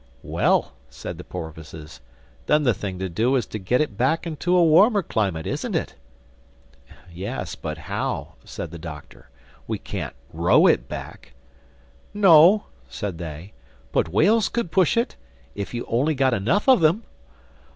"Well," said the porpoises, "then the thing to do is to get it back into a warmer climate, isn't it?" "Yes, but how?" said the Doctor. "We can't row it back." "No," said they, "but whales could push it—if you only got enough of them."